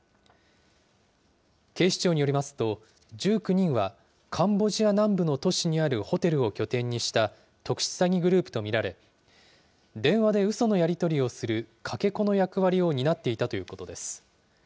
警視庁によりますと、１９人はカンボジア南部の都市にあるホテルを拠点にした特殊詐欺グループと見られ、電話でうそのやり取りをするかけ子の役割を担っていたということです。